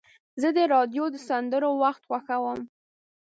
زه د راډیو د سندرو وخت خوښوم.